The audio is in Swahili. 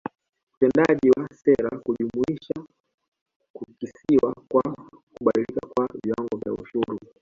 Utendakazi wa sera hujumuisha kukisiwa kwa kubadilika kwa viwango vya ushuru